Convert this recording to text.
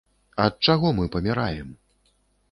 Ад чаго мы паміраем?